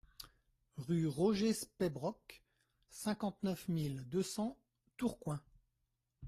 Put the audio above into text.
Rue Roger Speybrock, cinquante-neuf mille deux cents Tourcoing